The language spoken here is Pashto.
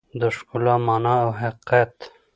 د ښکلا مانا او حقیقت